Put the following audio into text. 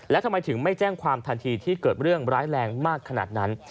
แล้วทำไมถึงไม่แจ้งความทันทีที่เกิดเรื่องร้ายแรงมากขนาดนั้น